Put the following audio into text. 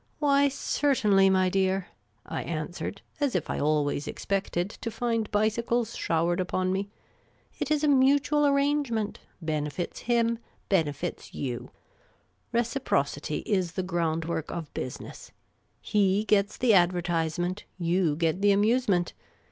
" Why, certainly, my dear," I answered, as if I always expected to find bicycles showered upon me. "It 's a mutual arrange io6 Miss Cay ley's Adventures ment. Benefits him ; benefits you. Reciprocity is the groundwork of business. He gets the advertisement ; you get the amusement.